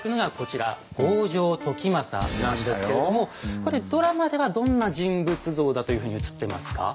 これドラマではどんな人物像だというふうに映ってますか？